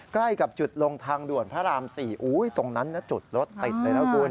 ใกล้กับจุดลงทางด่วนพระราม๔ตรงนั้นนะจุดรถติดเลยนะคุณ